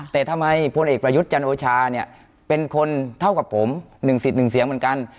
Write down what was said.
แต่ทำไมพลเอกประยุทธ์จันโอชาเนี่ยเป็นคนเท่ากับผม๑สิทธิ์๑เสียงเหมือนกัน